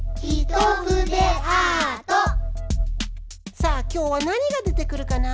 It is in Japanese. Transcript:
さあきょうはなにがでてくるかな？